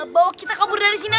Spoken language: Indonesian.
bawa kita kabur dari sini aja